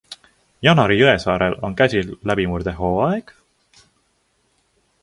Janari Jõesaarel on käsil läbimurdehooaeg?